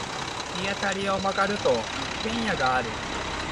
突き当たりを曲がると、一軒家がある。